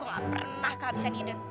gua enggak pernah kehabisan ide